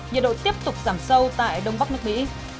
nhiệt độ tiếp tục giảm sâu tại đông bắc nước mỹ